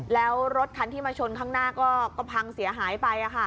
แล้วรถทั้งที่มาชนข้างหน้าก็ก็พังเสียหายไปอ่ะค่ะ